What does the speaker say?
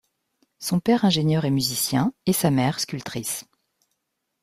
Son père ingénieur est musicien et sa mère sculptrice.